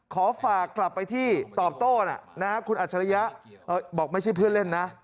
ขอฝากกลับไปที่ตอบโต้นะคุณอัจฉริยะบอกไม่ใช่เพื่อนเล่นนะ